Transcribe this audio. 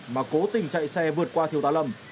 mà cố tình chạy xe vượt qua thiếu tá lâm